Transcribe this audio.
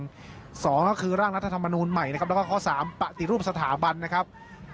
ข้อสองก็คือร่างรัฐธรรมานูนใหม่และข้อสามประติรูปสถาบันนะครับ